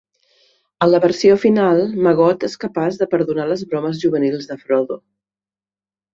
En la versió final, Maggot és capaç de perdonar les bromes juvenils de Frodo.